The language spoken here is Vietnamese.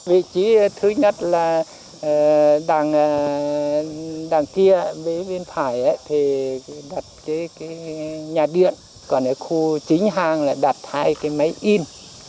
vị trí thứ nhất là đằng kia bên phải thì đặt cái nhà điện còn ở khu chính hang là đặt hai cái máy in